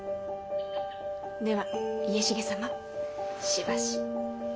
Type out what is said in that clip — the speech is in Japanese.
では家重様しばし。